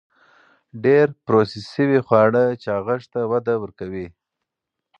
ډېر پروسس شوي خواړه چاغښت ته وده ورکوي.